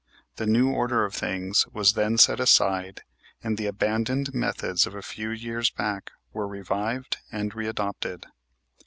The new order of things was then set aside and the abandoned methods of a few years back were revived and readopted.